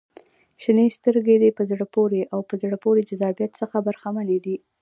• شنې سترګې د په زړه پورې او په زړه پورې جذابیت څخه برخمنې دي.